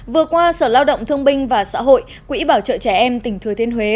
vừa qua sở lao động thương binh và xã hội quỹ bảo trợ trẻ em tỉnh thừa thiên huế